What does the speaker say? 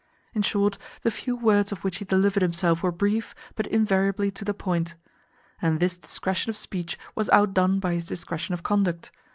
In short, the few words of which he delivered himself were brief, but invariably to the point. And this discretion of speech was outdone by his discretion of conduct.